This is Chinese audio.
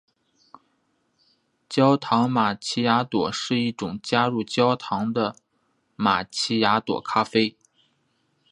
焦糖玛琪雅朵是一种加入焦糖的玛琪雅朵咖啡。